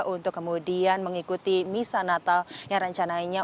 untuk kemudian mengikuti misa natal yang rencananya